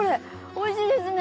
おいしいですね。